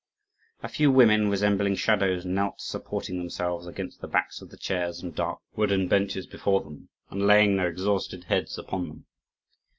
A few women, resembling shadows, knelt supporting themselves against the backs of the chairs and dark wooden benches before them, and laying their exhausted heads upon them.